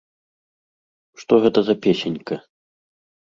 Што гэта за песенька?